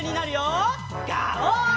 ガオー！